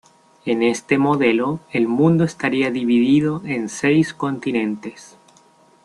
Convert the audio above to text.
En este modelo, el mundo estaría dividido en seis continentes.